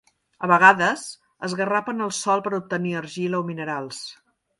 A vegades, esgarrapen el sòl per obtenir argila o minerals.